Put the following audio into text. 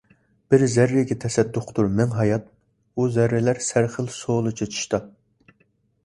بىر زەررىگە تەسەددۇقتۇر مىڭ ھايات، ئۇ زەررىلەر سەرخىل شولا چېچىشتا ...